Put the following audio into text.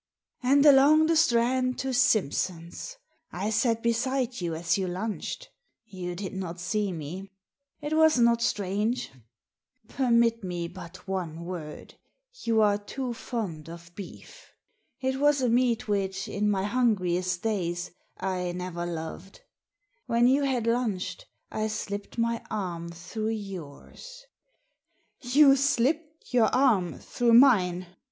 *'And along the Strand, to Simpson's. I sat beside you as you lunched — you did not see me. It was not strange. Permit me but one word— you are Digitized by VjOOQIC 8o THE SEEN AND THE UNSEEN too fond of beef I It was a meat which, in my hungriest days, I never loved. When you had lunched, I slipped my arm through yours "" You slipped your arm through mine